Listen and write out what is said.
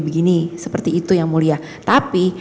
begini seperti itu yang mulia tapi